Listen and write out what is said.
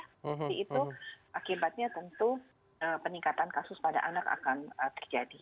jadi itu akibatnya tentu peningkatan kasus pada anak akan terjadi